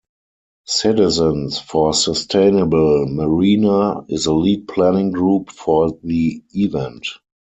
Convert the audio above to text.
Citizens for Sustainable Marina is the lead planning group for the event.